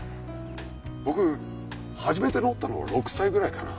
僕初めて乗ったの６歳ぐらいかな。